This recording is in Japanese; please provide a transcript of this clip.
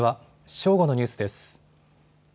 正午のニュースです。